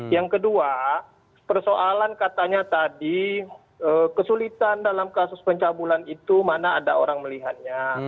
yang kedua persoalan katanya tadi kesulitan dalam kasus pencabulan itu mana ada orang melihatnya